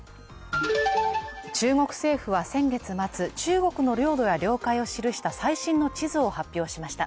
中国政府は先月末中国の領土や領海を記した最新の地図を発表しました。